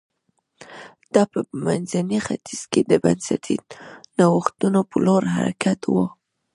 دا په منځني ختیځ کې د بنسټي نوښتونو په لور حرکت و